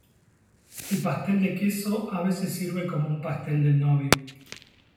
El pastel de queso a veces sirve como un pastel del novio.